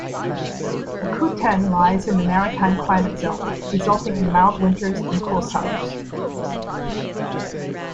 Akutan lies in the maritime climate zone, resulting in mild winters and cool summers.